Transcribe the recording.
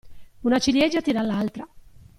Una ciliegia tira l'altra.